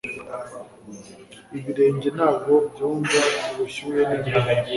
Ibirenge ntabwo byumva ubushyuhe nimbeho